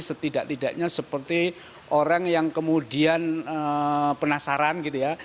setidak tidaknya seperti orang yang kemudian penasaran gitu ya